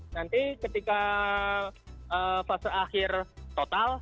nanti ketika fase akhir total